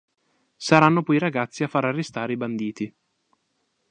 Saranno poi i ragazzi a far arrestare i banditi.